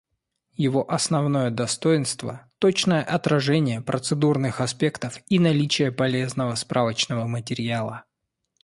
Его основное достоинство — точное отражение процедурных аспектов и наличие полезного справочного материала.